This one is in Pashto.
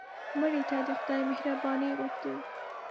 مړه ته د خدای مهرباني غوښتو